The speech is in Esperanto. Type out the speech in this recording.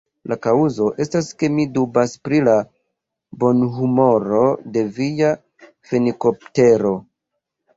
La kaŭzo estas, ke mi dubas pri la bonhumoro de via fenikoptero.